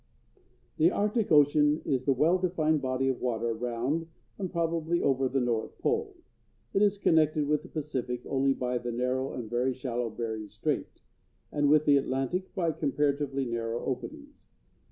The Arctic Ocean is the well defined body of water around and probably over the north pole. It is connected with the Pacific only by the narrow and very shallow Bering Strait, and with the Atlantic by comparatively narrow openings.